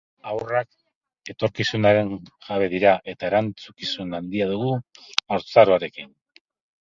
Haurrak etorkizunaren jabe dira eta erantzukizun handia dugu haurtzaroarekin.